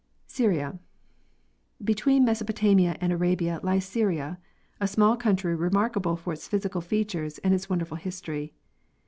Syria. Between Mesopotamia and Arabia lies. Syria, a small country remarkable for its physical features and its wonderful history.